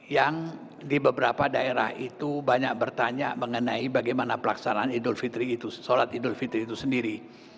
yang di beberapa daerah itu banyak bertanya mengenai bagaimana pelaksanaan sholat idul fitri itu sendiri